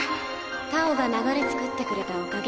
太鳳が流れ作ってくれたおかげ。